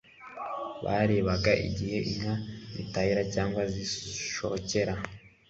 barebaga igihe inka zitahira cyangwa zishokera